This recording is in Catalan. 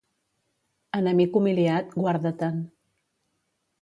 Enemic humiliat, guarda-te'n.